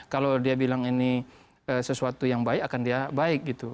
kalau dia bilang ini sesuatu yang baik akan dia baik gitu